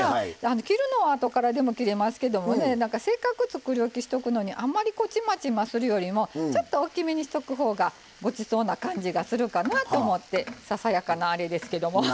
切るのはあとからでも切れますけど、せっかくつくりおきしておくのにあんまり、ちまちまするよりも大きめにしておくほうがごちそうになるかなというささやかな、あれですけども。